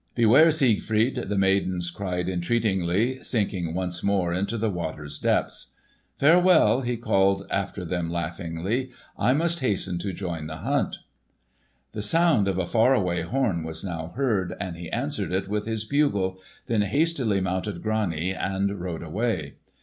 "Beware, Siegfried!" the maidens cried entreatingly, sinking once more into the water's depths. "Farewell!" he called after them laughingly. "I must hasten to join the hunt." The sound of a far away horn was now heard, and he answered it with his bugle, then hastily mounted Grani and rode away.